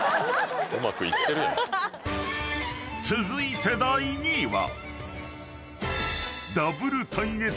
［続いて第２位は］